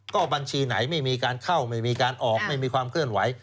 ก็บัญชีไหนไม่มีการเข้าไม่มีการออกไม่มีความเคลื่อนไหว